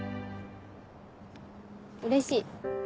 うれしい。